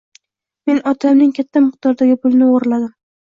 Men otamning katta miqdordagi pulini o‘g‘irladim.